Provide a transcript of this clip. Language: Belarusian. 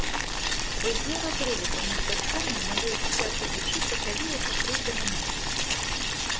Бо з дня разрыву паміж бацькамі ў маёй дзіцячай душы пасялілася крыўда на маці.